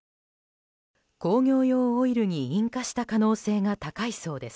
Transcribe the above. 工業用オイルに引火した可能性が高いそうです。